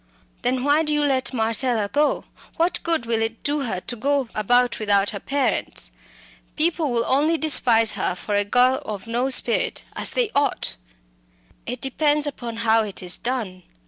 "Then why do you let Marcella go? What good will it do her to go about without her parents? People will only despise her for a girl of no spirit as they ought." "It depends upon how it is done.